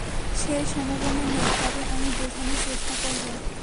সেই সম্ভাবনা নেই, তবে আমি বোঝানোর চেষ্টা করবো।